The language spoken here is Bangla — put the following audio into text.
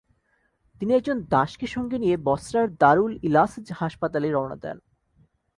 তিনি একজন দাসকে সঙ্গে নিয়ে বসরার দারুল ইলাসজ হাসপাতালে রওনা দেন।